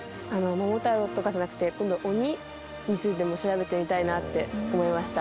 桃太郎とかじゃなくて今度は鬼についても調べてみたいなって思いました。